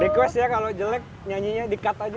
request ya kalau jelek nyanyinya di cut aja